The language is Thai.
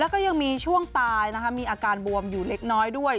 ก็มีช่วงตายมีอาการบวมอยู่เล็กน้อยด้วย